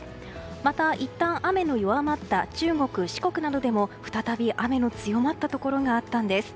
また、いったん雨の弱まった中国・四国などでも再び雨の強まったところがあったんです。